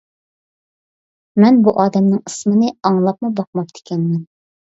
مەن بۇ ئادەمنىڭ ئىسمىنى ئاڭلاپمۇ باقماپتىكەنمەن.